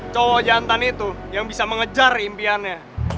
cowo jantan itu yang bisa mengejar impiannya